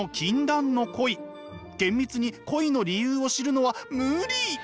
厳密に恋の理由を知るのは無理。